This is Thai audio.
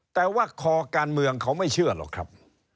แต่ว่าคอการเมืองเขาไม่เชื่อหรอกครับ